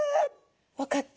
分かった。